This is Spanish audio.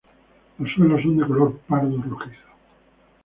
Los suelos son de color pardo rojizo.